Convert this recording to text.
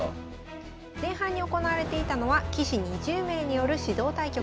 前半に行われていたのは棋士２０名による指導対局。